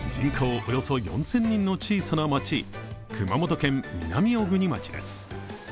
およそ４０００人の小さな町、熊本県南小国町です。